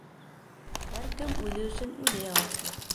Һәр кем үҙе өсөн үҙе яуаплы.